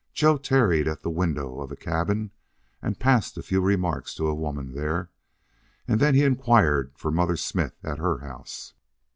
Joe tarried at the window of a cabin, and passed a few remarks to a woman there, and then he inquired for Mother Smith at her house.